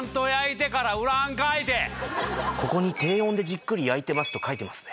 ここに「低温でじっくり焼いてます」と書いてますね。